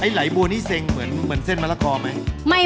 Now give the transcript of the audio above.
ไหลบัวนี่เซ็งเหมือนเส้นมะละกอไหม